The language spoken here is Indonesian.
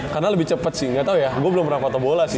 karena lebih cepet sih gak tau ya gue belum pernah foto bola sih